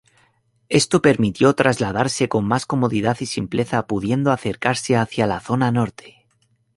Esto permitió trasladarse con más comodidad y simpleza pudiendo acercarse hacia la zona norte.